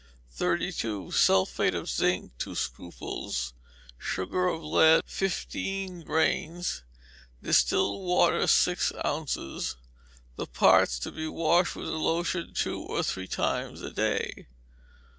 32. Sulphate of zinc, two scruples; sugar of lead, fifteen grains; distilled water, six ounces: the parts to be washed with the lotion two or three times a day.